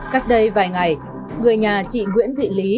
cách đây vài ngày người nhà chị nguyễn thị lý